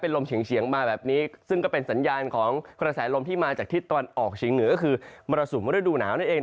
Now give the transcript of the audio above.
ลมเฉียงมาแบบนี้ซึ่งก็เป็นสัญญาณของกระแสลมที่มาจากทิศตะวันออกเฉียงเหนือก็คือมรสุมฤดูหนาวนั่นเอง